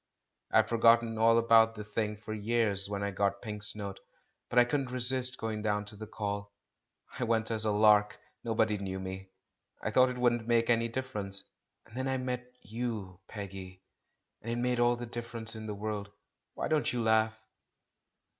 I had forgotten all about the thing for years when I got Pink's note, but I couldn't resist going down to the Call; I went as a lark, nobody knew me, I thought it wouldn't make any difference. And then I met you, Peggy — and it made all the difference in the world. Why don't you laugh?"